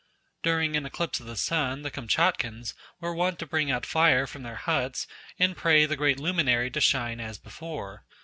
During an eclipse of the sun the Kamtchatkans were wont to bring out fire from their huts and pray the great luminary to shine as before.